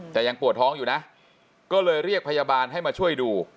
แต่ยังปวดท้องอยู่นะก็เลยเรียกพยาบาลให้มาช่วยดู